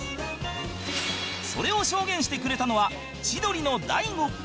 それを証言してくれたのは千鳥の大悟